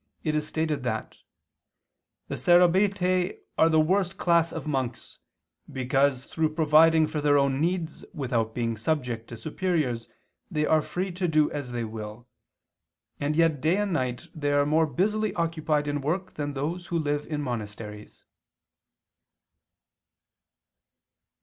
xviii, 7) it is stated that "the Sarabaitae are the worst class of monks, because through providing for their own needs without being subject to superiors, they are free to do as they will; and yet day and night they are more busily occupied in work than those who live in monasteries."